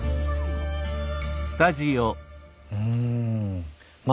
うんま